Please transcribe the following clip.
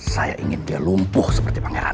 saya ingin dia lumpuh seperti pangeran